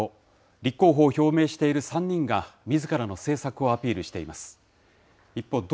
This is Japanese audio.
立候補を表明している３人が、みずからの政策をアピールしています。